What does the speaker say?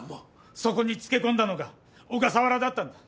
そこにつけこんだのが小笠原だったんだ。